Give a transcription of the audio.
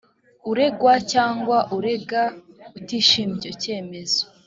uregwa cyangwa urega utishimiye icyo cyemezo